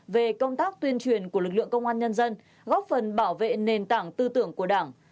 về công tác tuyên truyền của lực lượng công an nhân dân góp phần bảo vệ nền tảng tư tưởng của đảng